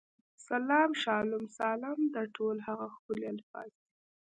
سلام، شالوم، سالم، دا ټول هغه ښکلي الفاظ دي.